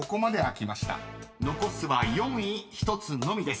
［残すは４位１つのみです］